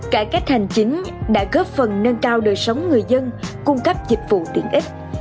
cải cách hành chính đã góp phần nâng cao đời sống người dân cung cấp dịch vụ tiện ích